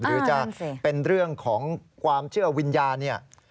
หรือจะเป็นเรื่องของความเชื่อวิญญาณเนี่ย